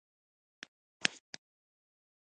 ټوکې به یې کولې.